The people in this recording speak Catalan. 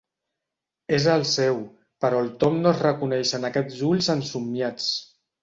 És el seu, però el Tom no es reconeix en aquests ulls ensomniats.